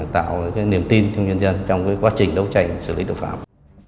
tạo niềm tin trong nhân dân trong quá trình đấu tranh xử lý tội phạm